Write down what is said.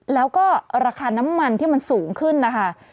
แล้วก็ราคาน้ำมันที่มันสูงขึ้นนะคะ